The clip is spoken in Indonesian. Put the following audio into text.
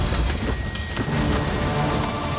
ya ini udah berakhir